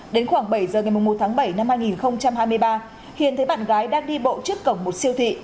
đến khoảng bảy giờ ngày một tháng bảy năm hai nghìn hai mươi ba hiền thấy bạn gái đang đi bộ trước cổng một siêu thị